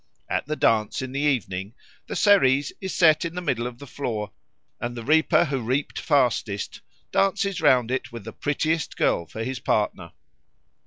At the dance in the evening the Ceres is set in the middle of the floor, and the reaper who reaped fastest dances round it with the prettiest girl for his partner.